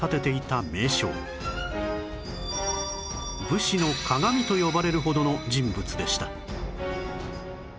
武士の鑑と呼ばれるほどの人物でした